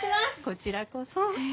こちらこそ。